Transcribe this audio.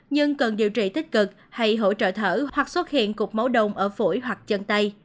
nhưng cần điều trị tích cực hay hỗ trợ thở hoặc xuất hiện cục máu đông ở phổi hoặc chân tay